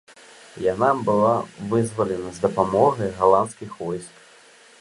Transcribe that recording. Яна была вызвалена з дапамогай галандскіх войск.